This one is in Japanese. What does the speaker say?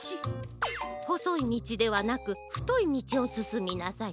ほそいみちではなくふといみちをすすみなさい。